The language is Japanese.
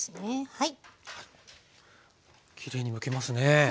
はい。